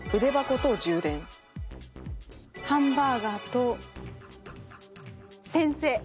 「ハンバーガー」と「先生」。